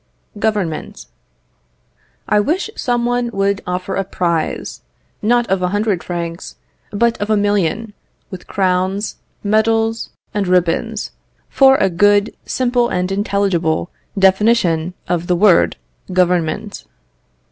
Government. I wish some one would offer a prize not of a hundred francs, but of a million, with crowns, medals and ribbons for a good, simple and intelligible definition of the word "Government."